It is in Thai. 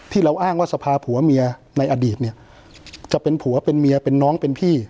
ที่เราอ้างว่าสภาผัวเมียในอดีตเนี่ยจะเป็นผัวเป็นเมียเป็นน้องเป็นพี่